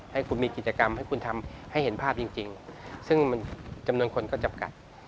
ให้คุณมีกิจกรรมให้คุณทำให้เห็นภาพจริงซึ่งมันจำนวนคนก็จำกัด